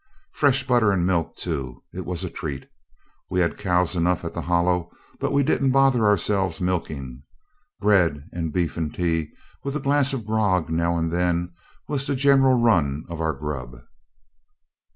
Fresh butter and milk too; it was a treat. We had cows enough at the Hollow, but we didn't bother ourselves milking; bread and beef and tea, with a glass of grog now and then, was the general run of our grub.